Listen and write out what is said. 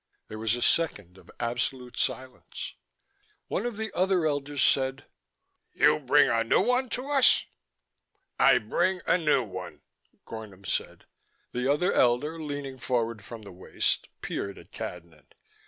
There was a second of absolute silence. One of the other elders said: "You bring a new one to us?" "I bring a new one," Gornom said. The other elder, leaning forward from the waist, peered at Cadnan.